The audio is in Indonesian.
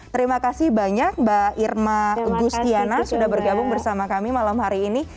terima kasih banyak mbak irma gustiana sudah bergabung bersama kami malam hari ini